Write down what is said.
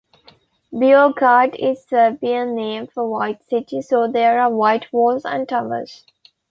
"Beograd" is Serbian name for "white city," so there are white walls and towers.